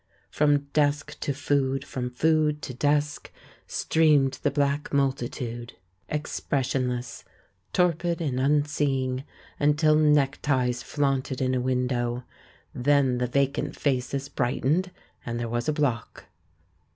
From desk to food, from food to desk, streamed the black multiude, 318 THE MAN WHO UNDERSTOOD WOMEN expressionless, torpid and unseeing, until neck ties flaunted in a window; then the vacant faces brightened, and there was a block.